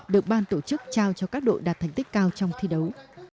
được ban tổ chức trao cho các đội đạt thành tích cao trong thi đấu